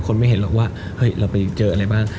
ไม่เห็นหรอกว่าเฮ้ยเราไปเจออะไรบ้าง